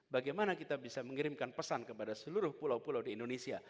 bagaimana kita bisa mengirimkan pesan kepada seluruh pulau pulau di indonesia